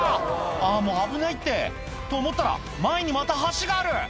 あもう危ないってと思ったら前にまた橋がある！